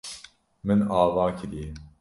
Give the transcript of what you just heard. Min ava kiriye.